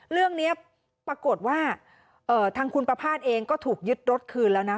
เรื่องนี้ปรากฏว่าทางคุณประภาษณ์เองก็ถูกยึดรถคืนแล้วนะ